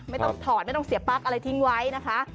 ไม่ต้องถอดไม่ต้องเสียปั๊กอะไรทิ้งไว้นะคะ